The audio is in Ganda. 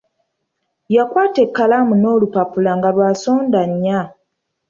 Yakwata ekalamu n'olupapula nga lwa nsonda nnya.